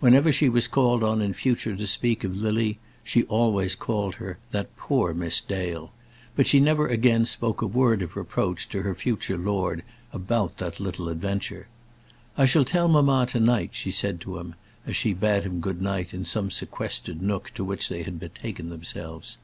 Whenever she was called on in future to speak of Lily, she always called her, "that poor Miss Dale;" but she never again spoke a word of reproach to her future lord about that little adventure. "I shall tell mamma, to night," she said to him, as she bade him good night in some sequestered nook to which they had betaken themselves.